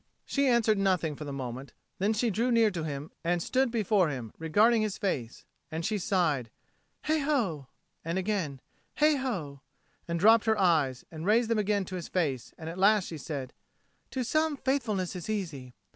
She answered nothing for a moment; then she drew near to him and stood before him, regarding his face; and she sighed "Heigh ho!" and again "Heigh ho!" and dropped her eyes, and raised them again to his face; and at last she said, "To some faithfulness is easy.